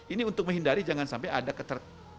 ini untuk menghindari jangan sampai ada